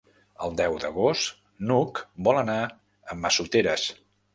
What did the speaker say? El deu d'agost n'Hug vol anar a Massoteres.